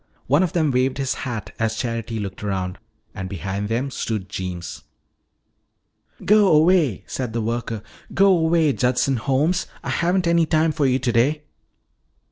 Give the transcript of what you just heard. One of them waved his hat as Charity looked around. And behind them stood Jeems. "Go away," said the worker, "go away, Judson Holmes. I haven't any time for you today."